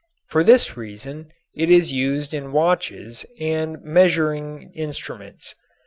For this reason it is used in watches and measuring instruments.